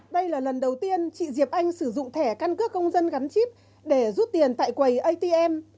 đây là lần đầu tiên chị diệp anh sử dụng thẻ căn cước công dân gắn chip để rút tiền tại quầy atm